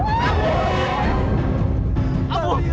dia akan berlatih sudeutek tentara badius sendiri